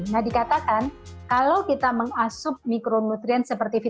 nah dikatakan kalau kita mengasup mikronutrien seperti virus